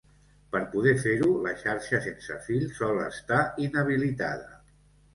Per poder fer-ho, la xarxa sense fil sol estar inhabilitada.